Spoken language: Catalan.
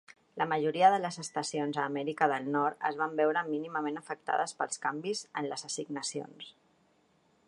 La majoria de les estacions a Amèrica de Nord es van veure mínimament afectades pels canvis en les assignacions.